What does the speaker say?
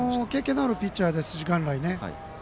経験のあるピッチャーですし、元来ね。